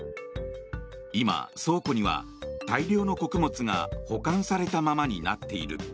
今、倉庫には大量の穀物が保管されたままになっている。